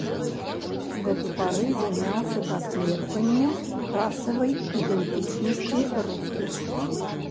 З гэтай пары заняўся даследаваннем расавай ідэнтычнасці рускіх.